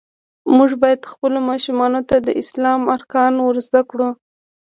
مونږ باید خپلو ماشومانو ته د اسلام ارکان ور زده کړو.